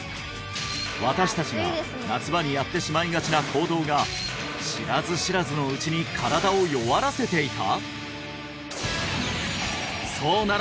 私達が夏場にやってしまいがちな行動が知らず知らずのうちに身体を弱らせていた？